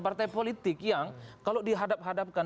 partai politik yang kalau dihadap hadapkan